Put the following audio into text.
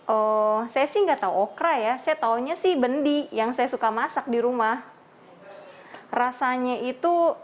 oh saya sih nggak tahu kraya saionya sih ben di yang saya suka masak di rumah rasanya itu